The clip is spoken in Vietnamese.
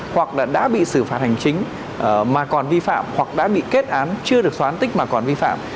hoặc là đã bị xử phạt hành chính mà còn vi phạm hoặc đã bị kết án chưa được xóa án tích mà còn vi phạm